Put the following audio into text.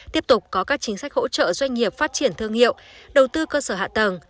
tiếp tục có các chính sách hỗ trợ doanh nghiệp phát triển thương hiệu đầu tư cơ sở hạ tầng